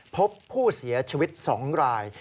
พบผู้เสียชีวิต๒ราย